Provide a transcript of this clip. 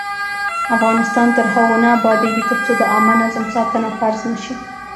افغانستان تر هغو نه ابادیږي، ترڅو د عامه نظم ساتنه فرض نشي.